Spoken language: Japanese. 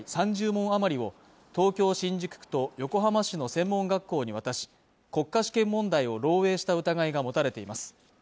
３０問あまりを東京新宿区と横浜市の専門学校に渡し国家試験問題を漏えいした疑いが持たれています